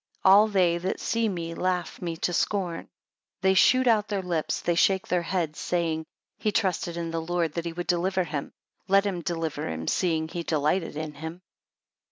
All they that see me laugh me to scorn; they shoot out their lips, they shake their heads, saying; He trusted in the Lord that he would deliver him, let him deliver him seeing he delighted in him.